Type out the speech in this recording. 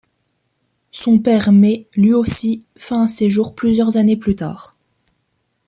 Son père met, lui aussi, fin à ses jours plusieurs années plus tard.